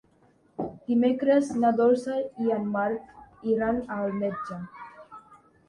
Dimecres na Dolça i en Marc iran al metge.